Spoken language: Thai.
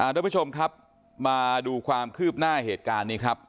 ทุกผู้ชมครับมาดูความคืบหน้าเหตุการณ์นี้ครับ